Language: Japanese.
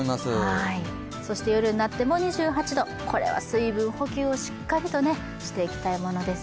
夜になっても２８度、これは水分補給をしっかりとしていきたいものです。